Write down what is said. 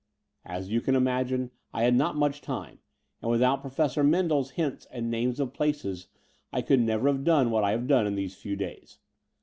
As you can imagine, I had not much time; and without Professor Mendel's hints and names of places I could never have done what I have in these few days.